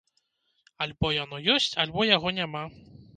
Альбо яно ёсць, альбо яго няма.